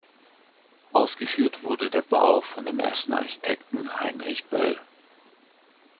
Ausgeführt wurde der Bau von dem Essener Architekten Heinrich Böll.